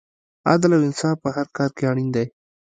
عدل او انصاف په هر کار کې اړین دی.